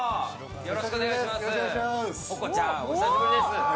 よろしくお願いします。